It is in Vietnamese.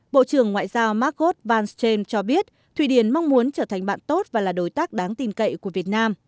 bộ trưởng ngoại giao margot van stam cho biết thụy điển mong muốn trở thành bạn tốt và là đối tác đáng tin cậy của việt nam